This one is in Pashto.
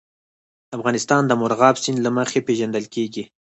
افغانستان د مورغاب سیند له مخې پېژندل کېږي.